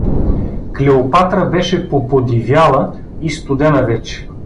Клеопатра беше поподивяла и студена вече.